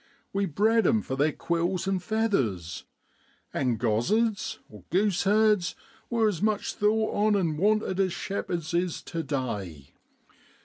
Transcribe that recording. We bred 'em for their quills an' feathers, and gozzards (goose herds) were as much thought on an' wanted as shepherds is tu day.